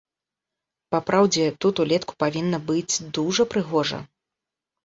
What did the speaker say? Папраўдзе, тут улетку павінна быць дужа прыгожа.